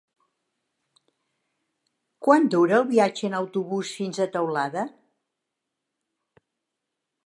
Quant dura el viatge en autobús fins a Teulada?